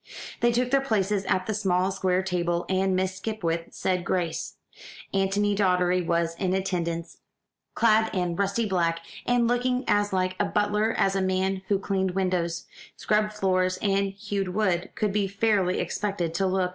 They took their places at the small square table, and Miss Skipwith said grace. Antony Doddery was in attendance, clad in rusty black, and looking as like a butler as a man who cleaned windows, scrubbed floors, and hewed wood could be fairly expected to look.